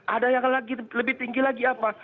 ada yang lebih tinggi lagi apa